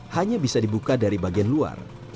hanya bisa dibuka dari bagian luar